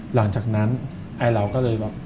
หลังจากนั้นเราก็เลยว่า